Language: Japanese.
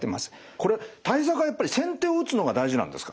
これ対策はやっぱり先手を打つのが大事なんですか。